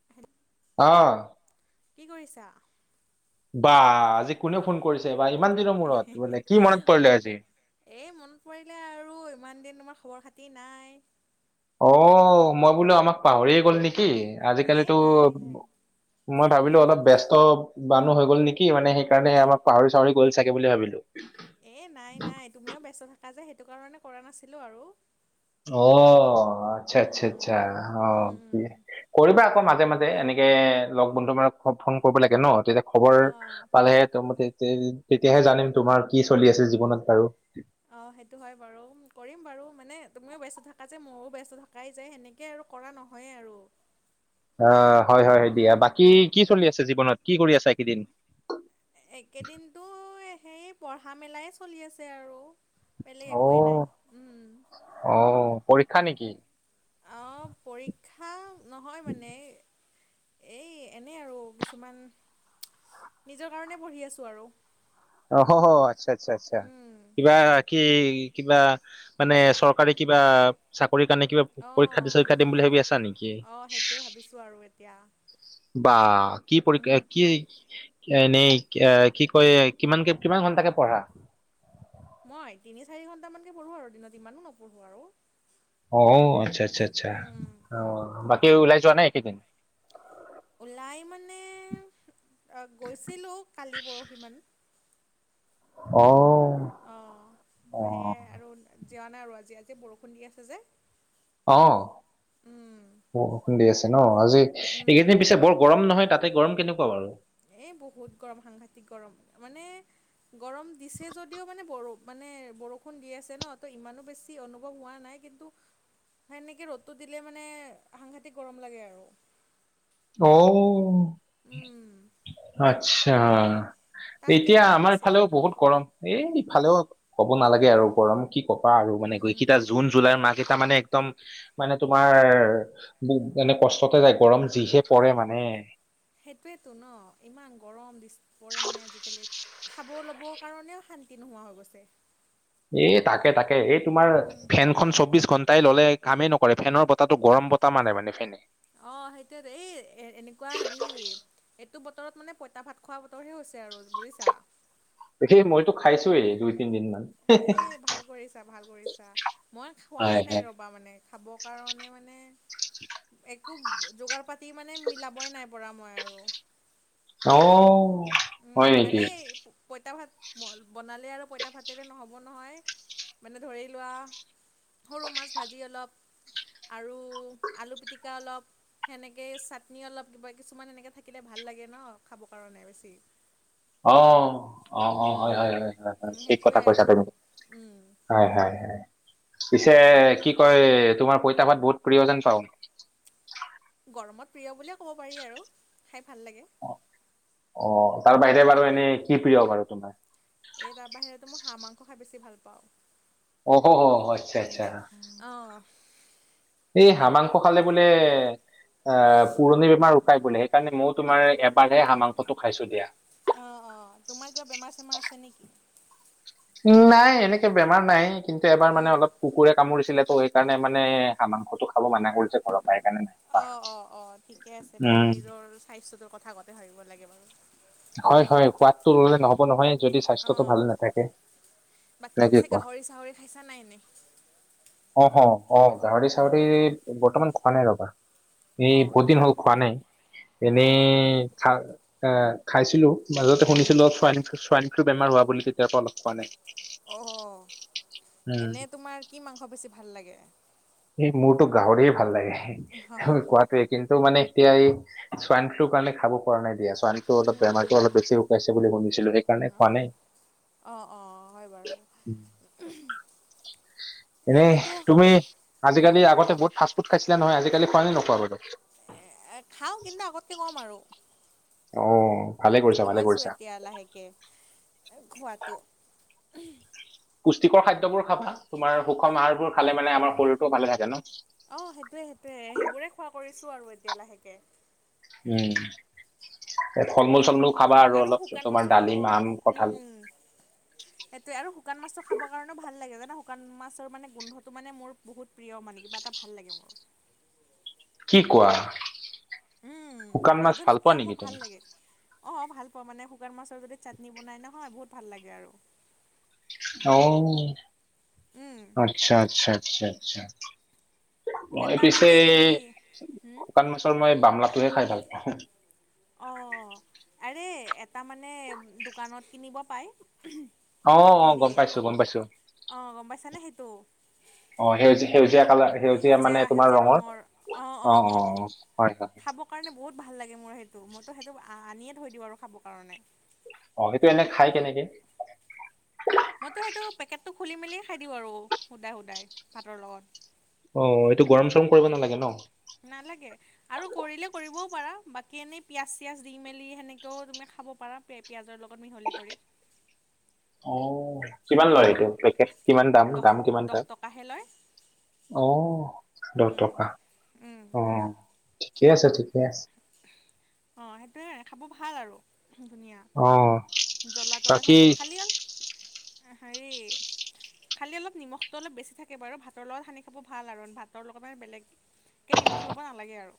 [inaudible] অঁহ। কি কৰিছা। বা আজি কোনে ফোন কৰিছে বা ইমান দিনৰ মূৰত মানে কি মনত পৰিলে আজি। এই মনত পৰিলে আৰু ইমান দিন তোমাৰ খবৰ খাতি নাই। অঁ মই বোলো আমাক পাহৰিয়ে গ'ল নেকি। এ আজিকালিতো নাই নাই মই ভাবিলো অলপ ব্যস্ত। বানু হৈ গল নেকি মানে সেইণকাৰণে আমাক পাহৰি চাহৰি গল চাগে বুলি ভাবিলো। এই নাই নাই তুমিও ব্যস্ত থাকা যে, সেইটো কাৰণে কৰা নাছিলোঁ আৰু। অঁ আচ্ছা, আচ্ছা, উম আচ্ছা অঁ। উম উম কৰিবা আকৌ মাজে মাজে এনেকে লগ বন্ধু মানক ফোন কৰিব লাগে ন তেতিয়া। খবৰ অঁ পালেহে ত তে তেতিয়াহে জানিম তোমাৰ কি চলি আছে জীৱনত বাৰু। অঁ সেইটো হয়, বাৰু কৰিম বাৰু মানে তুমিও ব্যস্ত থাকা যে ময়ো ব্যস্ত থকাই যায় সেনেকে আৰু। কৰা নহয় আৰু। অ হয়, হয়, হয় দিয়া উম বাকী উম কি চলি আছে। জীৱনত কি কৰি আছে একেইদিন। একেদিনতো সেই পঢ়া মেলাই চলি আছে আৰু। বেলেগ একোৱেই নাই উম। অঁ পৰীক্ষা নেকি। অঁ পৰীক্ষা নহয় মানে। এই এনেই আৰু কিছুমান নিজৰ কাৰণে পঢ়ি আছো আৰু। অহ অঁ আচ্ছা আচ্ছা। উম কিবা কি কিবা মানে চৰকাৰী কিবা চাকৰি কাৰণে কিবা। পৰীক্ষা দি অঁ চৰীক্ষা দিম বুলি ভাবি আছা নেকি? অঁ সেইটোৱে ভাবিছো আৰু এতিয়া। বা কি পৰক্ষ উম, কি? এ এনেই এ কি কয় কিমানকে কিমান ঘন্টাকে পঢ়া। মই তিনি চাৰি ঘন্টামানকে পঢ়ো আৰু দিনত ইমানো নপঢ়ো আৰু। অ আচ্ছা, আচ্ছা, আচ্ছা, উম, অ উম, বাকী ওলাই যোৱা নাই একেইদিন। ওলাই মানে গৈছিলোঁ কালি পৰহি মান। অহ। অঁ সেয়ে আৰু জিয়া নাই আৰু আজি আজি বৰষুণ দি আছে যে। অহঁ। উম, ব খুন্দি আছে ন, আজি উম। এইকেইদিন পিছে বৰ গৰম নহয় তাতে গৰম কেনেকুৱা বাৰু? এই বহুত গৰম সাংঘাতিক গৰম মানে। গৰম দিছে যদিও মানে ব মানে বৰষুণ দি আছে ন তো ইমানো বেছি অনুভৱ হোৱা নাই কি- সেনেকে ৰ'দটো দিলে মানে সাংঘাতিক গৰম লাগে আৰু। অঔ উম আচ্ছা। তাত এতিয়া কেনেকুৱা আমাৰ পিছে ফালেও বহুত গৰম, এইফালেও- ক'ব নালাগে আৰু গৰম কি কবা আৰু উম মানে, উম এইগেকেইটা উম জুন জুলাইৰ মাহকেইটা মানে- একদম মানে তোমাৰ মানে কষ্টতে যায় গৰম যিহে পৰে মানে। সেইটোৱেতো ন ইমান গৰম দিছে পৰে মানে আজিকালি। খাব ল'বৰ কাৰণেও শান্তি নোহোৱা হৈ গৈছে। এই তাকে তাকে এই তোমাৰ ফেন- এখন চৌব্বিশ ঘণ্টাই ল'লে কামেই নকৰে, ফেনৰ বতাটো গৰম বতা মাৰে মানে ফেনে। অ সেইটোৱেতো এই এ এনেকোৱা হেৰি এইটো বতৰত মানে পইতা ভাত খোৱা বতৰহে হৈছে আৰু বুজিছা। দেই মইতো খাইছোৱেই দুই তিনদিন মান। এই ভাল কৰিছা, ভাল কৰিছা, মই হয় খোৱাই নাই হয় ৰ'বা মানে খাবৰ কাৰণে মানে- একো যোগাৰ পাতি মানে মিলাবই নাই পৰা মই আৰু। অঁ উম মানে- পইতা ভাত বনালে আৰু পইতা ভাতেৰে নহ'ব নহয় মানে ধৰি লোৱা- সৰু মাছ ভাজি অলপ আৰু আলু পিটিকা অলপ, সেনেকে চাটনি অলপ কিবা কিছুমান এনেকৈ থাকিলে ভাল লাগে ন, খাবৰ কাৰণে বেছি। অ, অ, অ, উম হয়, হয়, হয় উম, ঠিক কথা সেইটোৱে কৈছা আৰু তুমি। উম হয় হয় হয়। পিছে কি কয় তোমাৰ পইতা ভাত বহুত প্ৰিয় যেন পাওঁ? গৰমত প্ৰিয় বুলিয়ে ক'ব পাৰি আৰু, খাই ভাল লাগে। অ, অ তাৰ বাহিৰে বাৰু এনে কি প্ৰিয় বাৰু তোমাৰ? এই তাৰ বাহিৰতো মই হাঁহ মাংস খাই বেছি ভাল পাওঁ। অ হ অ' আচ্ছা আচ্ছা। অ, এই হাঁহ মাংস খালে বোলে আহ পুৰণি বেমাৰ উকাই বোলে। সেইকাৰণে মইও তোমাৰ এবাৰহে হাঁহ মাংসটো খাইছো দিয়া। অ, অ, তোমাৰ কিবা বেমাৰ চেমাৰ আছে নেকি? নাই এনেকে বেমাৰ নাই, কিন্তু এবাৰ মানে অলপ কুকুৰে কামুৰিছিলে তো সেইকাৰণে মানে হাঁহ মাংসটো খাব মানা কৰিছে ঘৰত। অ অ অ, ঠিকে আছে বাৰু, উম, নিজৰ স্বাস্থ্যটোৰ কথা আগতে ভাবিব লাগে বাৰু। হয় হয় সোৱাদটো ললে নহব নহয়, যদি স্বাস্থ্যটো অ', ভালে নাথাকে। বাকী পিছে গাহৰি চাহৰি খাইছা নাই এনে? অ, অ, আহ গাহৰি চাহৰি বৰ্তমান খোৱা নাই ৰবা। এ অ'। বহুত দিন হ'ল খোৱা নাই, এনেই অ', খা খাইছিলোঁ! মাজতে উম, শুনিছিলো ছোৱানিছ ছোৱাইনিছো বেমাৰ হোৱা বুলি, তেতিয়াৰ পৰা অলপ খোৱা নাই। অঁহ, উম এনে তোমাৰ কি মাংস বেছি ভাল লাগে? সে মোৰতো গাহৰিয়ে ভাল লাগে, অ', কোৱাটোৱে কিন্তু মানে এতিয়া এই চোৱাইন ফ্লু কাৰণে খাব পৰা নাই দিয়া, চোৱাইন ফ্লু অলপ বেমাৰটো অলপ বেছি উকাইছে বুলি শুনিছিলো, সেইকাৰণে খোৱা নাই। অ অ হয় বাৰু, উহম। এনেই তুমি হা আজিকালি আগতে বহুত ফাষ্ট ফুড খাইছিলা নহয়, আজিকালি খোৱা নে নোখোৱা বাৰু? এ খাও কিন্তু, আগতকে ক'ম আৰু। অ ভালে কৰিছা, ভালে কৰিছা। য়া লাহেকে খোৱাতো, উমহ। পুষ্টিকৰ খাদ্যবোৰ খাবা, তোমাৰ সুষম আহাৰবোৰ খালে মানে আমাৰ শৰীৰটোও ভালে থাকে ন। অ সেইটোয়ে, সেইটোয়ে, সেইবোৰে খোৱা কৰিছো আৰু এতিয়া লাহেকে। উম ফল মূল, চল মূল খাবা আৰু অলপ শুকান তোমাৰ মাছো খাব ডালিম, আম, উম কঁঠাল। উম সেইটোৱে আৰু শুকান মাছটো খাব কাৰণেও ভাল লাগে জানা, শুকান মাছৰ মানে গোন্ধটো মানে মোৰ বহুত প্ৰিয় মানে কিবা এটা ভাল লাগে মোৰ। কি কোৱা? উম, শুকান মাছ নাজানো ভাল পোৱা কিয় মোৰ নেকি তুমি ভাল লাগে। অ ভাল পাওঁ মানে, শুকান মাছৰ যদি চাটনি বনাই নহয় বহুত ভাল লাগে আৰু। আঁহ! উম আচ্ছা, আচ্ছা, আচ্ছা, আচ্ছা। মই এটা পিছে মানে হেৰি হুম শুকান মাছৰ মই বামলাটোহে খাই ভাল পাওঁ। অঁ আৰে এটা মানে দোকানত কিনিব পাই, উহ'ম। অ', অ', গম পাইছোঁ-গম পাইছোঁ। অ', গম পাইছানে সেইটো? অ', সেউজীয়া-সেউজীয়া কালাৰ সেউজীয়া মানে তোমাৰ সেউজীয়া ৰঙৰ অ', অঁ অঁ অঁ অ', হয়, হয়। খাবৰ কাৰণে বহুত ভাল লাগে মোৰ সেইটো, মইতো সেইটো আনিয়ে থৈ দিওঁ আৰু খাবৰ কাৰণে। অ', সেইটো এনে খাই কেনেকে? মইতো সেইটো পেকেটটো খুলি মেলিয়ে খাই দিওঁ আৰু সুদাই, সুদাই ভাতৰ লগত। অ এইটো গৰম চৰম কৰিব নালাগে ন? নালাগে। আৰু কৰিলে কৰিবও পাৰা। বাকী এনেই পিয়াজ চিয়াজ দি মেলি সেনেকেও তুমি খাব পাৰা পে পিঁয়াজৰ লগত মিহলি কৰি। অ', কিমান লয় উম এটো পেকট কিমান দহ দাম-দাম কিমান দহ তাৰ? টকাহে লয় অ', দহ টকা। অ', ঠিকে আছে-ঠিকে আছে। অ', সেইটোৱে খাব ভাল আৰু, ধুনীয়া। অ'। জ্বলা তলা বাকী থাকে, খালি অলপ হেৰি খালি অলপ নিমখটো অলপ বেছি থাকে বাৰু ভাতৰ লগত সানি খাব ভাল আৰু ভাতৰ লগত মানে বেলেগ বেলেগকে নিমখ ল'ব নালাগে আৰু।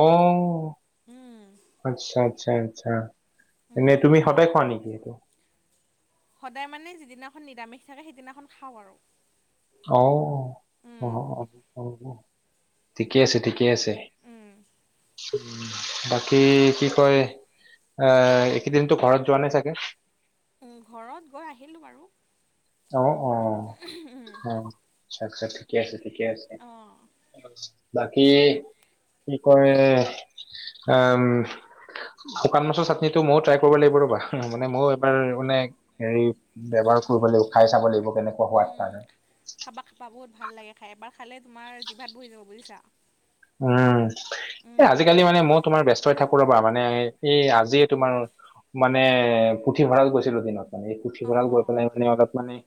অ', উম আচ্ছা-আচ্ছা-আচ্ছা। উম এনে তুমি সদায় খোৱা নেকি সেইটো? সদায় মানে যিদিনাখন নিৰামিষ থাকে সেইদিনাখন খাওঁ আৰু। অ', উম অ', [inaudible] ঠিকে আছে-ঠিকে আছে। উম বাকী কি কয় আহ, এইকেইদিনতো ঘৰত যোৱা নাই চাগে? ঘৰত গৈ আহিলোঁ বাৰু। অ', অ', আচছা-আচ্ছা ঠিকে আছে-ঠিকে আছে। অ'। বাকী, কি কয়, উম শুকান মাছৰ চাটনিটো ময়ো ট্ৰাই কৰিব লাগিব ৰ'বা। মানে মই এইবাৰ মানে হেৰি ব্যৱহাৰ কৰিব লাগিব খাই চাব লাগিব কেনেকুৱা সোৱাদ কৰে। খাবা-খাবা বহত ভাল লাগে খাই এবাৰ খালে তোমাৰ জিভাত বৈ যাব বুজিছা। উম। এ উম আজিকালি মানে মই তোমাৰ ব্যস্তই থাকো ৰ'বা মানে এই আজিয়ে তোমাৰ মানে পুথিভঁৰাল গৈছিলোঁ দিনত মান এই পুথিভঁৰাল অঁ গৈ পেলাই মানে অলপ মানে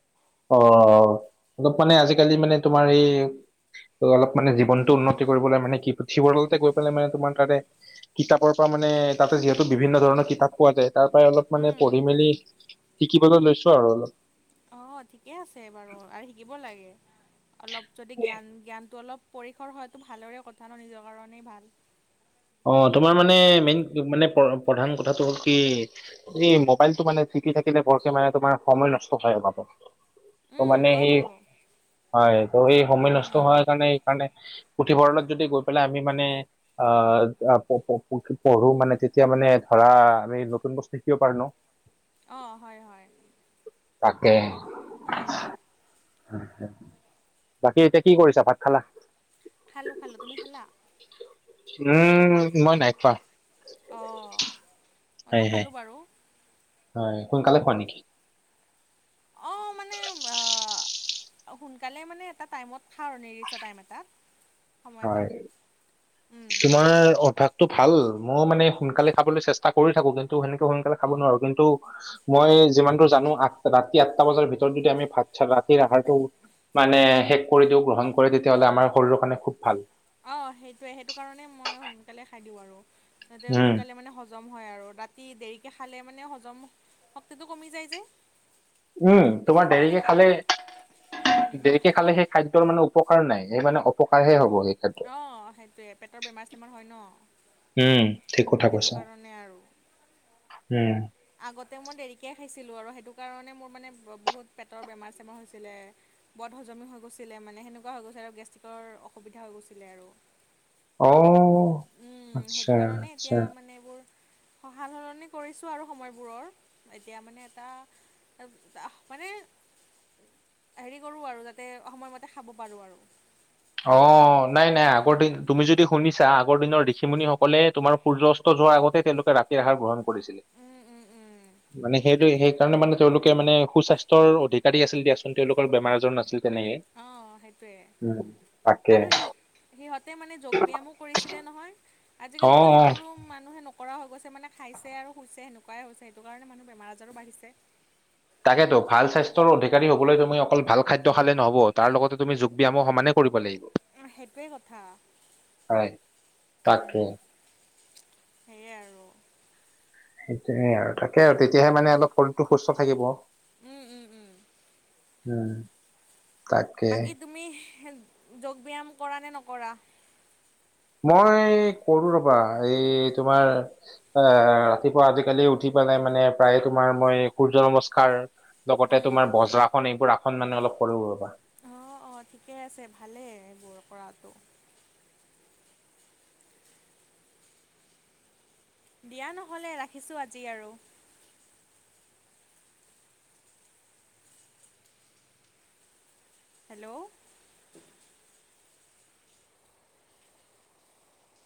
অ', অলপ মানে আজিকালি মানে তোমাৰ এই ত অলপ মানে জীৱনটো উন্নতি কৰিবলৈ মানে কি পুথিভঁৰালতে গৈ পেলাই মানে তোমাৰ তাতে কিতাপৰ পৰা মানে তাতে যিহেতু বিভিন্ন ধৰণৰ কিতাপ পোৱা যায় তাৰ পৰাই অলপ মানে উম পঢ়ি মেলি শিকিবলে লৈছোঁ আৰু অলপ। অ', ঠিকে আছে বাৰু আৰু শিকিব লাগে অলপ যদি জ্ঞান জ্ঞানটো অলপ পৰীক্ষৰ হয়তো ভালৰে কথা ন, নিজৰ কাৰণেই ভাল। অ', তোমাৰ মানে মেইন মানে প্ৰধান কথাটো হ'ল কি এই মোবাইলটো মানে পিতিকি থাকিলে বৰকে মানে তোমাৰ সময় নষ্ট হয় পাব। ত উম মানে হয় সেই, বাৰু হয় ত সেই সময় নষ্ট উম হোৱাৰ কাৰণে সেই কাৰণে পুথিভঁৰালত যদি গৈ পেলাই আমি মানে অ [unintelligible] পঢ়ো মানে তেতিয়া মানে ধৰা আমি নতুন বস্তু কিয় পাৰোঁ ন? অ', হয়, হয়। তাকে। উম বাকী এতিয়া কি কৰিছা ভাত খালা? খালোঁ-খালোঁ তুমি খালা? [inaudible] উম মই নাই খোৱা। অ', মইটো হয় হয় খালোঁ বাৰু। হয়, সোনকালে খোৱা নেকি? অ সোনকালে মানে এটা টাইমত খাও আৰু নিৰ্দিষ্ট টাইম এটাত। সময় হয়, এটাত উম তোমাৰ অভ্যাস তো ভাল। মইয়ো মানে সোনকালে খাবলৈ চেষ্টা কৰি থাকোঁ কিন্তু সেনেকে সোনকালে খাব নোৱাৰোঁ কিন্তু মই যিমান দোৰ জানো আঠ ৰাতি আঠটা বজাৰ ভিতৰত যদি আমি ভাত চাত ৰাতিৰ আহাৰটো মানে শেষ কৰি দিও গ্ৰহণ কৰোঁ তেতিয়াহ'লে আমাৰ শৰীৰৰ কাৰণে খুব ভাল। অ', সেইটোৱে সেইটো কাৰণে মই সোনকালে খাই দিওঁ আৰু তাতে উম, সোনকালে মানে হজম হয় আৰু ৰাতি দেৰিকে খালে মানে হজম শক্তিটো কমি যায় যে? উম, তোমাৰ পিছত মানে দেৰিকে পে খালে উম খালে সেই খাদ্যৰ মানে উপকাৰ নাই সেই মানে অপকাৰহে হ'ব সেই খাদ্য। অ' সেইটোৱে পেটৰ বেমাৰ চেমাৰ হয় ন, উম, ঠিক কথা সেইটো কৈছা। কাৰণে আৰু উম। আগতে মই দেৰিকৈ খাইছিলোঁ আৰু সেইটো কাৰণে মোৰ মানে বহুত পেটৰ বেমাৰ চেমাৰ হৈছিলে। বৰ হজমি হৈ গৈছিলে মানে সেনেকুৱা হৈ গৈছিল আৰু গেষ্ট্ৰিকৰ অসুবিধা হৈ গৈছিলে আৰু। অ', উম সেইটো আচ্ছা, কাৰণে আচ্ছা। এতিয়া মানে এইবোৰ স সাল সলনি কৰিছোঁ। আৰু সময়বোৰৰ এতিয়া মানে এটা মানে হেৰি কৰো আৰু যাতে সময়মতে খাব পাৰো আৰু। অ', নাই নাই উম আগৰ দিন তুমি যদি শুনিছা আগৰ দিনৰ ঋষিমুনি সকলে তোমাৰ সূৰ্য অস্ত যোৱাৰ আগতে তেওঁলোকে ৰাতিৰ আহাৰ গ্ৰহণ কৰিছিল। উম উম উম। মানে সেইটো সেইকাৰণে মানে তেওঁলোকে মানে সু স্বাস্থ্যৰ অধিকাৰী আছিল দিয়াচোন তেওঁলোকৰ বেমাৰ আজাৰ নাছিল তেনেকে। অ' সেইটোৱে, উম, তাকে আৰু সি সিহঁতে মানে যোগ ব্যায়াম কৰিছিলে নহয় অ', আজিকালিতো অ'। সেইবোৰে মানুহে নকৰা হৈ গৈছে মানে খাইছে আৰু শুইছে সেনেকুৱাই হৈছে সেইটো কাৰণে মানুহ বেমাৰ আজাৰো বাঢ়িছে। তাকেতো ভাল স্বাস্থ্যৰ অধিকাৰী হবলৈ তুমি অকল ভাল খাদ্য খালে নহ'ব তাৰ লগতে তুমি যোগ ব্যায়ামো সমানেই কৰিব লাগিব। উম সেইটোৱেই কথা, হয় তাকে উম। সেয়ে আৰু। সেইটোৱে আৰু তাকে আৰু তেতিয়াহে মানে অলপ শৰীৰটো সুস্থ থাকিব। উম উম উম। উম। তাকে বাকী তুমি যোগ ব্যায়াম কৰা নে নকৰা? মই কৰো ৰবা এই তোমাৰ এ ৰাতিপুৱা আজিকালি উঠি পেলাই মানে প্ৰায়ে তোমাৰ মই সূৰ্য নমস্কাৰ লগতে উম তোমাৰ বজ্ৰাখন এইবোৰ আসন মানে অলপ কৰো ৰবা। অ' অ' ঠিকে আছে ভালেই এইবোৰ কৰাটো। দিয়া নহ'লে ৰাখিছোঁ আজি আৰু। হেল্ল'